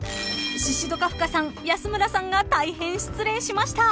［シシド・カフカさん安村さんが大変失礼しました。